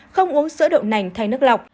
không uống sữa đậu nành thay nước lọc